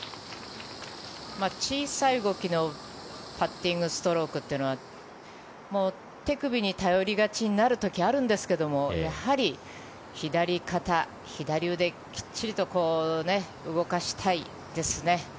小さい動きのパッティングストロークというのは手首に頼りがちになる時があるんですけどやはり左肩、左腕きっちりと動かしたいですね。